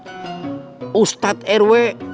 kita harus naik ke atas bukit untuk melihat hilal